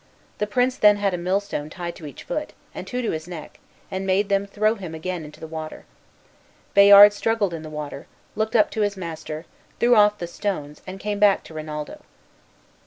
The prince then had a millstone tied to each foot, and two to his neck, and made them throw him again into the water. Bayard struggled in the water, looked up to his master, threw off the stones, and came back to Rinaldo.